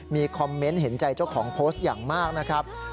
มีคอมเมนต์เห็นใจเจ้าของโพสต์อย่างมากนะครับ